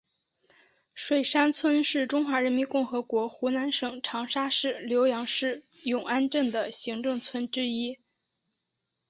水山村是中华人民共和国湖南省长沙市浏阳市永安镇的行政村之一。